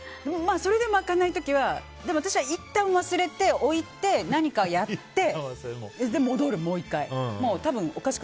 それでも開かない時はいったん忘れて、置いて何かをやって戻る、もう一回。